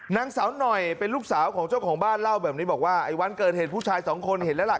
นางสาวหน่อยเป็นลูกสาวของเจ้าของบ้านเล่าแบบนี้บอกว่าไอ้วันเกิดเหตุผู้ชายสองคนเห็นแล้วล่ะ